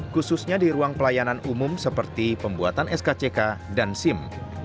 khususnya di ruang pelayanan umum seperti pembuatan skck dan sim